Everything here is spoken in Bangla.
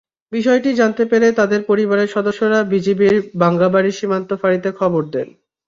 বিষয়টি জানতে পেরে তাঁদের পরিবারের সদস্যরা বিজিবির বাঙ্গাবাড়ী সীমান্ত ফাঁড়িতে খবর দেন।